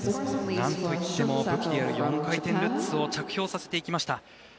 何といっても武器である４回転ルッツを着氷させていきました。